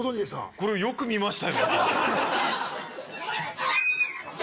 これよく見ましたよ。